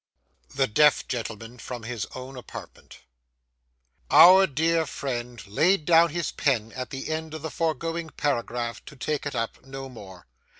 THE DEAF GENTLEMAN FROM HIS OWN APARTMENT Our dear friend laid down his pen at the end of the foregoing paragraph, to take it up no more.